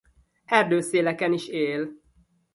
Erdőszéleken is él.